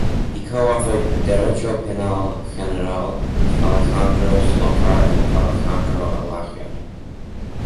He co-authored "Derecho Penal: General" with Alejandro Slokar and Alejandro Alagia.